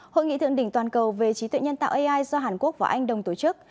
hội nghị thượng đỉnh toàn cầu về trí tuệ nhân tạo ai do hàn quốc và anh đồng tổ chức